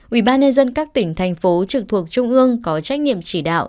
ủy ban nhân dân các tỉnh thành phố trực thuộc trung ương có trách nhiệm chỉ đạo